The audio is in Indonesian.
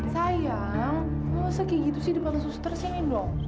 sayang masa kayak gitu sih di pantai suster sih nindo